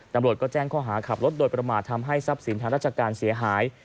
ตำรวจก็แจ้งข้อหาขับรถโดยประมาททำให้ทรัพย์สินทางราชการเสียหาย